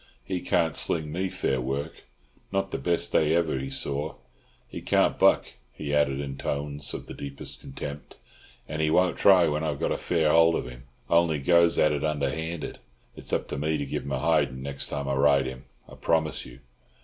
He can't sling me fair work, not the best day ever he saw. He can't buck," he added, in tones of the deepest contempt, "and he won't try when I've got a fair hold of him; only goes at it underhanded. It's up to me to give him a hidin' next time I ride him, I promise you."